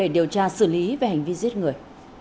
điều tra xử lý về hành vi giết người